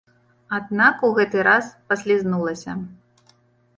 Аднак у гэты раз паслізнулася.